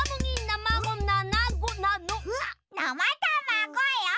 なまたまごよ。